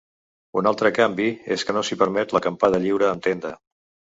Un altre canvi és que no s’hi permet l’acampada lliure amb tenda.